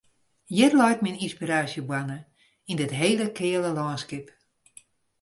Hjir leit myn ynspiraasjeboarne, yn dit hele keale lânskip.